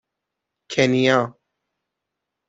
کنیا